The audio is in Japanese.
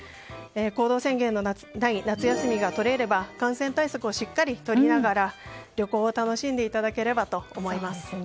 行動宣言のない夏休みが取れれば感染対策をしっかりとりながら旅行を楽しんでいただければと思います。